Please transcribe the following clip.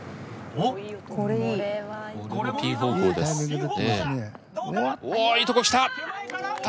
おおいいとこ来た。